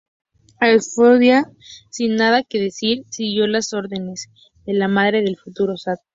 Eudoxia sin nada que decir, siguió las órdenes de la madre del futuro zar.